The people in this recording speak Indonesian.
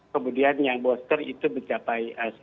kemudian yang booster itu mencapai